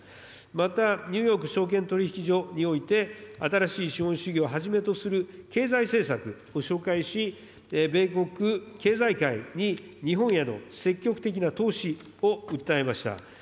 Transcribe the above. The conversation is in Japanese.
また、ニューヨーク証券取引所において、新しい資本主義をはじめとする経済政策を紹介し、米国経済界に日本への積極的な投資を訴えました。